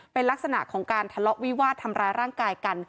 เป็นลักษณะของการทะเลาะวิวาดทำร้ายร่างกายกัน